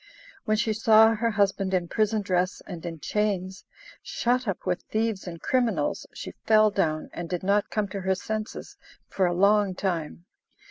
When she saw her husband in prison dress and in chains, shut up with thieves and criminals, she fell down, and did not come to her senses for a long time.